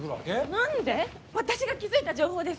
私が気づいた情報です。